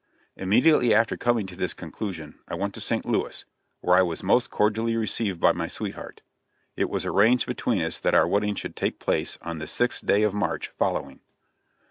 Immediately after coming to this conclusion, I went to St. Louis, where I was most cordially received by my sweetheart; it was arranged between us that our wedding should take place on the 6th day of March, following.